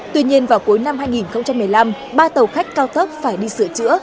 tuy nhiên vào cuối năm hai nghìn một mươi năm ba tàu khách cao tốc phải đi sửa chữa